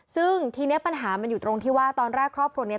ซึ่งทีนี้ปัญหามันอยู่ตรงที่ว่าตอนแรกครอบครัวนี้